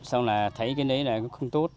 xong là thấy cái đấy là không tốt